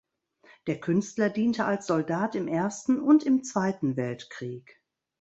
Der Künstler diente als Soldat im Ersten und im Zweiten Weltkrieg.